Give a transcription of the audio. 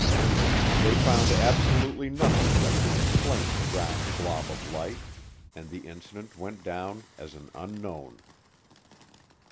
They found absolutely nothing that could explain the round blob of light, and the incident went down as an unknown.